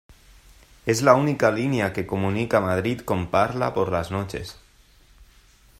Es la única línea que comunica Madrid con Parla por las noches.